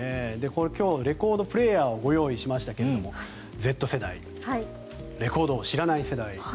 これ、今日レコードプレーヤーをご用意しましたがＺ世代レコードを知らない世代。